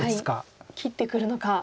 一回切ってくるのか。